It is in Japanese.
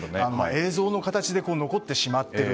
映像の形で残ってしまっていると。